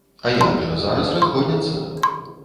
А як жа, зараз разгоняцца!